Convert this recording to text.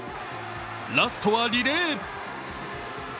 ラストはリレー。